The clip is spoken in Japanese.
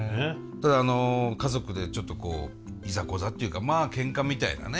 ただあの家族でちょっといざこざっていうかまあけんかみたいなね